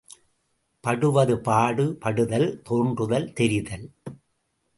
படுவது பாடு, படுதல் தோன்றுதல் – தெரிதல்.